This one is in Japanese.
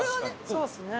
「そうですね」